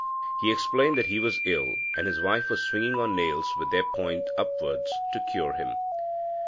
He explained that he was ill, and his wife was swinging on nails with their points upwards, to cure him.